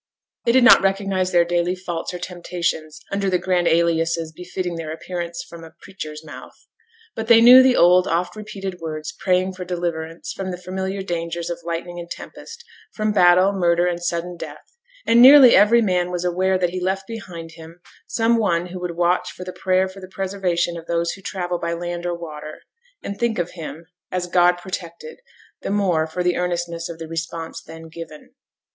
They did not recognize their daily faults or temptations under the grand aliases befitting their appearance from a preacher's mouth. But they knew the old, oft repeated words praying for deliverance from the familiar dangers of lightning and tempest; from battle, murder, and sudden death; and nearly every man was aware that he left behind him some one who would watch for the prayer for the preservation of those who travel by land or by water, and think of him, as God protected the more for the earnestness of the response then given.